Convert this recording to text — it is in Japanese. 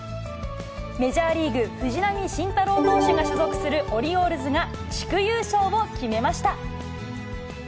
メジャーリーグ、藤浪晋太郎投手が所属するオリオールズが地区優勝を決めました。